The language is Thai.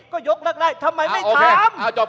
ก็ยกเลิกได้ทำไมไม่ถาม